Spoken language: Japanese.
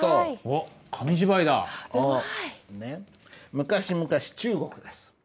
昔々中国です。